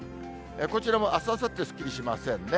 こちらもあす、あさって、すっきりしませんね。